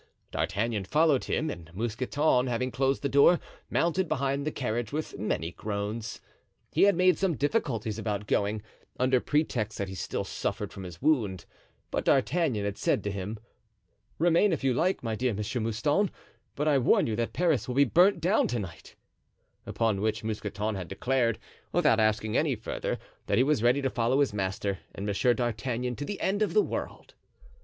D'Artagnan followed him, and Mousqueton, having closed the door, mounted behind the carriage with many groans. He had made some difficulties about going, under pretext that he still suffered from his wound, but D'Artagnan had said to him: "Remain if you like, my dear Monsieur Mouston, but I warn you that Paris will be burnt down to night;" upon which Mousqueton had declared, without asking anything further, that he was ready to follow his master and Monsieur d'Artagnan to the end of the world.